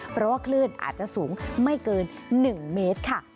เพราะว่าคลื่นอาจจะสูงไม่เกิน๑เมตรค่ะ